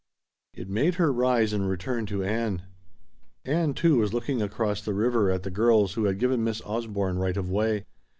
It made her rise and return to Ann. Ann, too, was looking across the river at the girls who had given Miss Osborne right of way.